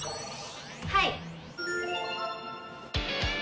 はい！